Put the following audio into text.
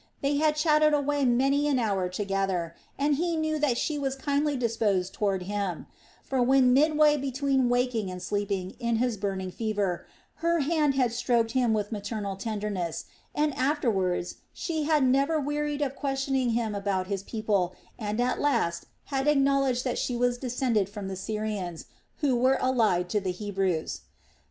They had chatted away many an hour together, and he knew that she was kindly disposed toward him; for when midway between waking and sleeping, in his burning fever, her hand had stroked him with maternal tenderness, and afterwards she had never wearied of questioning him about his people and at last had acknowledged that she was descended from the Syrians, who were allied to the Hebrews.